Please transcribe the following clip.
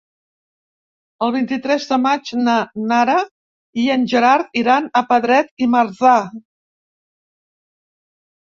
El vint-i-tres de maig na Nara i en Gerard iran a Pedret i Marzà.